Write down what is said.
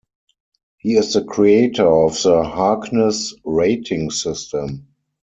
He is the creator of the Harkness rating system.